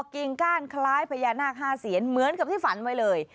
กิ่งก้านคล้ายพญานาค๕เซียนเหมือนกับที่ฝันไว้เลย